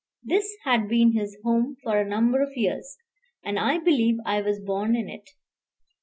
This had been his home for a number of years; and I believe I was born in it.